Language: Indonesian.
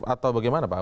atau bagaimana pak awi